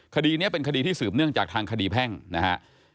คดีนี้เป็นคดีที่สืบเนื่องจากทางคดีแพ่งนะฮะ